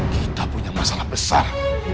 kita punya masalah besar